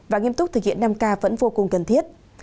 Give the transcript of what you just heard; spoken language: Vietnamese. và nghiêm túc thực hiện năm k vẫn vô cùng cần thiết